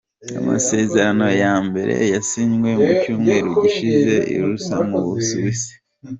Amasezerano ya mbere yasinywe mu cyumweru gishize i Lausanne mu Busuwisi.